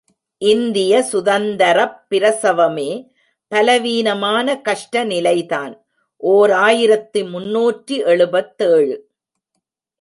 இந்திய சுதந்தரப் பிரசவமே பலவீனமான கஷ்ட நிலைதான்! ஓர் ஆயிரத்து முன்னூற்று எழுபத்தேழு.